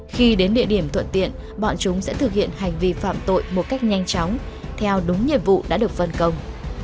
khi đến địa điểm thuận tiện bọn chúng sẽ thực hiện hành vi phạm tội một cách nhanh chóng theo đúng nhiệm vụ đã được phân công